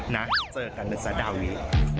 นะเจอกันหนึ่งสัตว์ดาวี